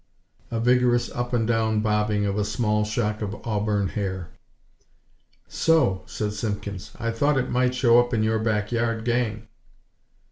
A vigorous up and down bobbing of a small shock of auburn hair. "So," said Simpkins, "I thought it might show up in your back yard gang."